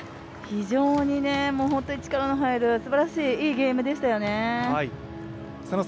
非常に大きな力の入るすばらしいゲームでしたよね。